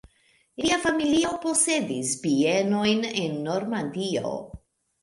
Lia familio posedis bienojn en Normandio.